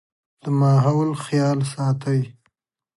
د ماحول خيال ساتئ